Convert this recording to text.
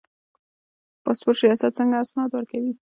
د پاسپورت ریاست څنګه اسناد ورکوي؟